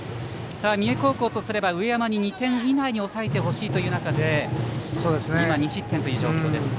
三重高校とすれば、上山に２点以内に抑えてほしいという中で今、２失点という状況です。